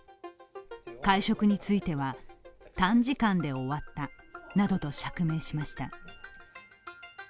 会食については、短時間で終わったなどと釈明しました。